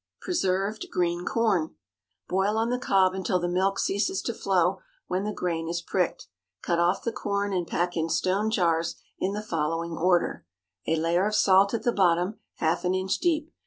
PRESERVED GREEN CORN. ✠ Boil on the cob until the milk ceases to flow when the grain is pricked. Cut off the corn and pack in stone jars in the following order:—A layer of salt at the bottom, half an inch deep.